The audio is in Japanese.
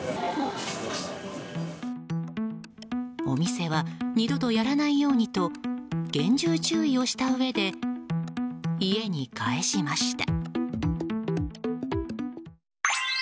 お店は二度とやらないようにと厳重注意をしたうえで家に帰しました。